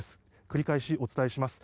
繰り返しお伝えします。